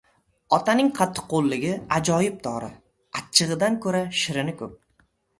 Otaning qattiqqo‘lligi — ajoyib dori: achchig‘idan ko‘ra shirini ko‘p.